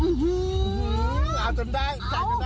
อู้ฮือเอาจนได้จานจนได้